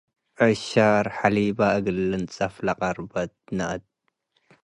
ዕሻር፤ ሐሊበ እግል ልንጸፍ ለቀርበ ነአት ።